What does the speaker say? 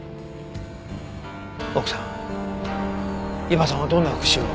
奥さん伊庭さんはどんな復讐を？